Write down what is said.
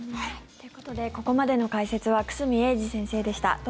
ということでここまでの解説は久住英二先生でした。